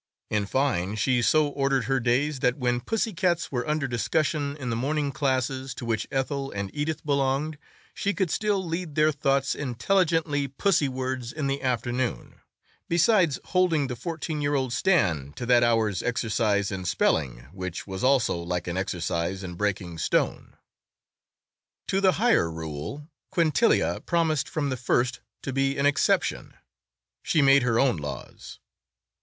In fine, she so ordered her days that when pussy cats were under discussion in the morning classes to which Ethel and Edith belonged, she could still lead their thoughts intelligently pussywards in the afternoon, besides holding the fourteen year old Stan to that hour's exercise in spelling which was also like an exercise in breaking stone. To the higher rule Quintilia promised from the first to be an exception. She made her own laws.